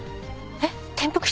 えっ？